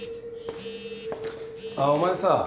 あっお前さ